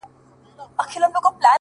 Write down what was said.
جواب را كړې ـ